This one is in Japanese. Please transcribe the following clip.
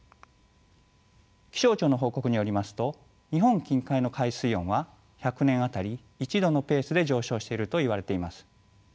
気象庁の報告によりますと日本近海の海水温は１００年当たり１℃のペースで上昇しているといわれています。